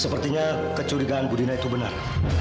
sepertinya kecurigaan budina itu benar